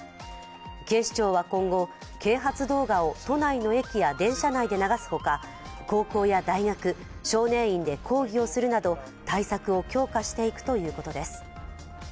警視庁は今後、啓発動画を都内の駅や電車内で流すほか、高校や大学、少年院で講義をするなど対策を強化していくということです。